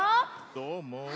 どーも。